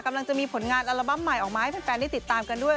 กำลังจะมีผลงานอัลบั้มใหม่ออกมาให้แฟนได้ติดตามกันด้วย